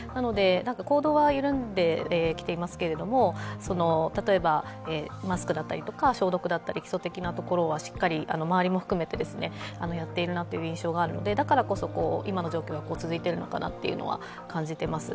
行動は緩んできていますが例えばマスクだったり消毒だったり基礎的なところはしっかり周りも含めてやっているなという印象があるので、だからこそ、今の状況が続いているのかなというのは感じています。